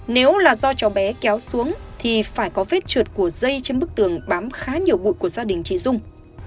nếu là do chó bé kéo xuống thì phải có vết trượt của dây trên bức tường bám khá nhiều bụi của gia đình chị dung